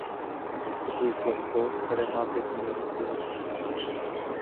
Zastupuji Slezsko, které má pět milionů obyvatel.